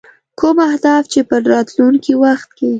کوم اهداف چې په راتلونکي وخت کې.